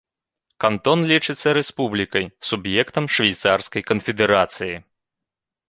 Кантон лічыцца рэспублікай, суб'ектам швейцарскай канфедэрацыі.